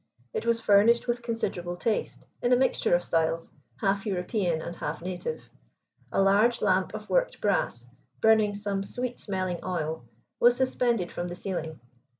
It was furnished with considerable taste, in a mixture of styles, half European and half native. A large lamp of worked brass, burning some sweet smelling oil, was suspended from the ceiling.